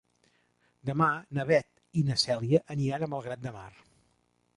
Demà na Beth i na Cèlia aniran a Malgrat de Mar.